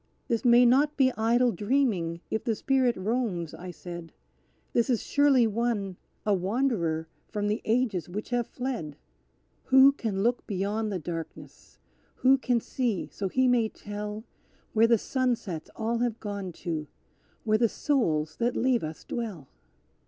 This may not be idle dreaming; if the spirit roams," I said, "This is surely one, a wanderer from the ages which have fled! Who can look beyond the darkness; who can see so he may tell Where the sunsets all have gone to; where the souls that leave us dwell?